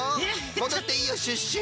もどっていいよシュッシュ。